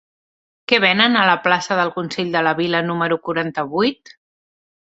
Què venen a la plaça del Consell de la Vila número quaranta-vuit?